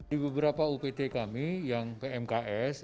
di beberapa upt kami yang pmks